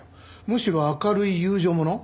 むしろ明るい友情もの。